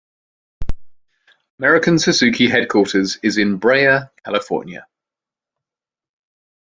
American Suzuki headquarters is in Brea, California.